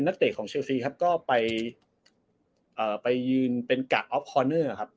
นักเตะของเชลซีครับก็ไปเอ่อไปยืนเป็นการ์ดออฟคอร์เนอร์ครับ